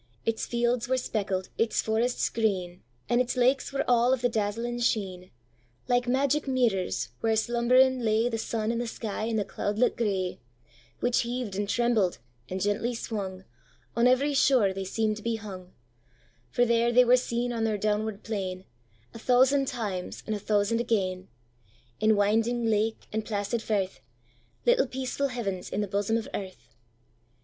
Its fields were speckled, its forests green, And its lakes were all of the dazzling sheen, Like magic mirrors, where slumbering layThe sun and the sky and the cloudlet gray; Which heaved and trembled, and gently swung, On every shore they seem'd to be hung; For there they were seen on their downward plainA thousand times and a thousand again; In winding lake and placid firth, Little peaceful heavens in the bosom of earth.